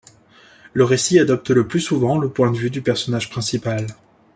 Le récit adopte le plus souvent le point de vue du personnage principal.